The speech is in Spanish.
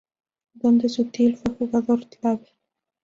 Donde Sutil fue jugador clave.